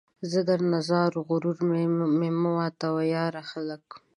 زه درنه ځار ، غرور مې مه ماتوه ، یاره ! خلک